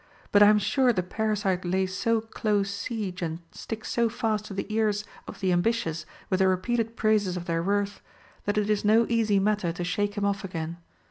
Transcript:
But I am sure the parasite lays so close siege and sticks so fast to the ears of the ambitious with the repeated praises of their worth, that it is no easy matter to shake him off again.